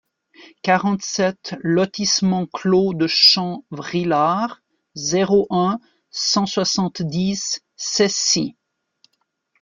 quarante-sept lotissement Clos de Champ-Vrillard, zéro un, cent soixante-dix Cessy